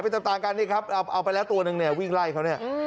เป็นต่างกันนี่ครับเอาไปแล้วตัวหนึ่งวิ่งไล่เขา